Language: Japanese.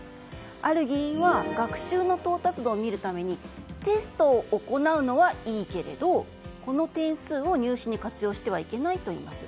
ある議員は学習の到達度を見るためにテストを行うのはいいけれどこの点数を入試に活用してはいけないといいます。